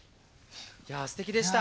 いやすてきでした！